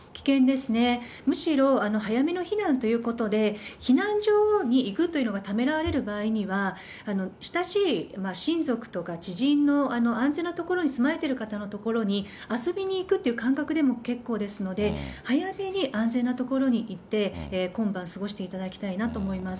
むしろ、早めの避難ということで、避難所に行くというのがためらわれる場合には、親しい親族とか知人の安全な所に住まれてる方の所に、遊びに行くという感覚でも結構ですので、早めに安全な所に行って、今晩、過ごしていただきたいなと思います。